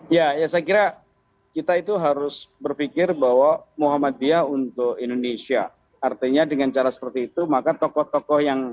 ya ya saya kira kita itu harus berpikir bahwa muhammadiyah untuk indonesia artinya dengan cara seperti itu maka tokoh tokoh yang